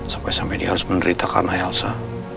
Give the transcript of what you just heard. sampai sampai dia harus menderita karena elsa